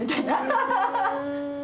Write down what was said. ハハハハ。